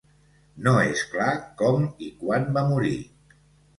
No és clar com i quan va morir.